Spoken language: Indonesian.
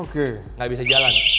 tidak bisa jalan